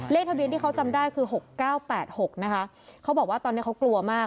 ทะเบียนที่เขาจำได้คือ๖๙๘๖นะคะเขาบอกว่าตอนนี้เขากลัวมาก